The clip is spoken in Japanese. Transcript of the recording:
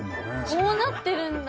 こうなってるんだ